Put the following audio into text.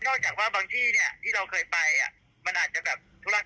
นอกจากว่าบางที่ที่เราเคยไปมันอาจจะแบบธุระกันตาอยากเข้าไปแล้วแหละแบบ